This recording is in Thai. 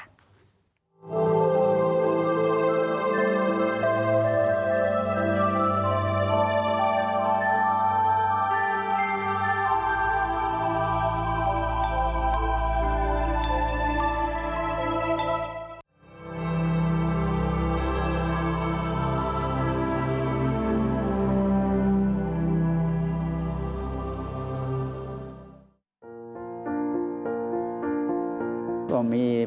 ถึงเมืองที่ภูมิที่จะเป็นทางคงสามารถรับอาหารในตัวเอง